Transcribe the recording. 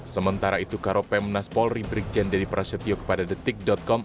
sementara itu karopem naspol ribrik jendeli prasetyo kepada detik com